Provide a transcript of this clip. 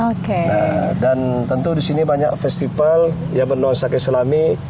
nah dan tentu di sini banyak festival yang bernama sake selami